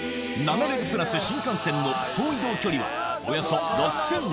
レグプラス新幹線の総移動距離はおよそ６０１０ｋｍ